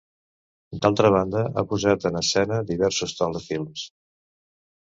D'altra banda ha posat en escena diversos telefilms.